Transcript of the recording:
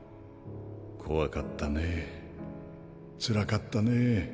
怖かったねつらかったね。